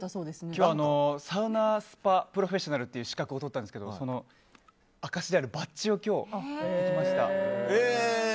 今日はサウナ・スパプロフェッショナルという資格を取ったんですがその証しのバッジを持ってきました。